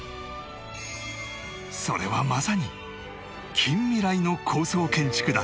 それはまさに近未来の高層建築だった